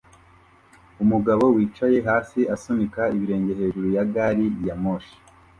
Umugabo wicaye hasi asunika ibirenge hejuru ya gari ya moshi